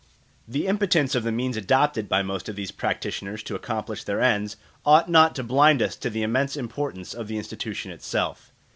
The impotence of the means adopted by most of these practitioners to accomplish their ends ought not to blind us to the immense importance of the institution itself.